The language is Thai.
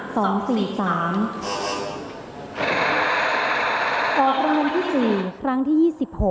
ตอนที่๒๔ร้านที่๒๖